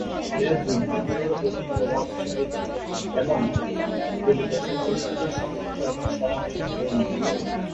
এরা যুগ যুগ ধরে অতি প্রভাবশালী ছিল এবং কলিতা সভ্যতা ছিল স্বতন্ত্র এবং স্বয়ংসম্পূর্ণ।